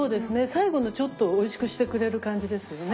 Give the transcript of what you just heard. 最後のちょっとおいしくしてくれる感じですよね。